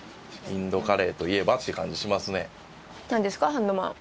ハンドマン。